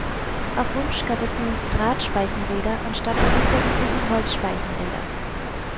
Auf Wunsch gab es nun Drahtspeichenräder anstatt der bisher üblichen Holzspeichenräder.